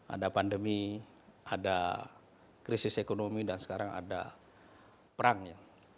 ada pandemi ada krisis ekonomi dan sekarang ada perangnya